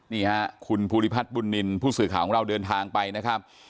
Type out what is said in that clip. นี่ฮะคุณภูริพัฒน์บุญนินทร์ผู้สื่อข่าวของเราเดินทางไปนะครับ